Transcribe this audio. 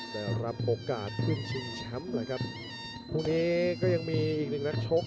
ได้รับโอกาสขึ้นชิงแชมป์แหละครับคู่นี้ก็ยังมีอีกหนึ่งนักชก